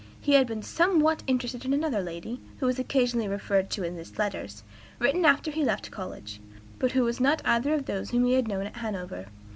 He had been somewhat interested in another lady, who is occasionally referred to in his letters, written after he left college, but who was not either of those whom he had known at Hanover.